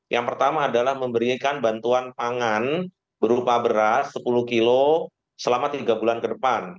yang pertama adalah memberikan bantuan pangan berupa beras sepuluh kilo selama tiga bulan ke depan